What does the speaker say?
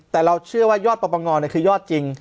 แต่เราเชื่อว่ายอดปรปงคือยอดจริง